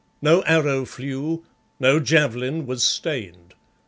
No arrow flew, no javelin was stained.